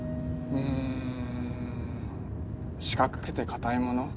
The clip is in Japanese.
うん四角くて硬いもの